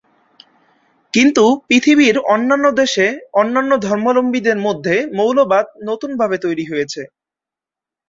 কিন্তু পৃথিবীর অন্যান্য দেশে অন্যান্য ধর্মাবলম্বীদের মধ্যে মৌলবাদ নতুনভাবে তৈরি হয়েছে।